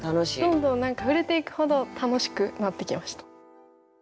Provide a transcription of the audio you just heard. どんどん何か触れていくほど楽しくなってきました。